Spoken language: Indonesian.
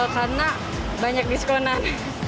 karena banyak diskonan